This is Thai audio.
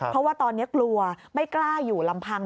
เพราะว่าตอนนี้กลัวไม่กล้าอยู่ลำพัง